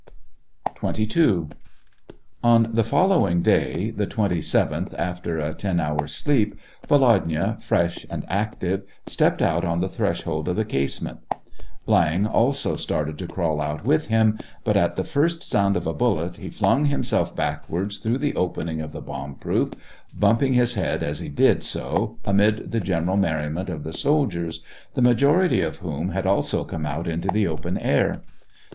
SEVASTOPOL IN AUGUST. 237 XXII. On the following day, the 27th, after a ten hours sleep, Volodya, fresh and active, stepped out on the threshold of the casement ; Viang also started to crawl out with him, but, at the first sound of a bullet, he flung himself back wards through the opening of the bomb proof, bumping his head as he did so, amid the general merriment of the soldiers, the majority of whom had also come out into the open air.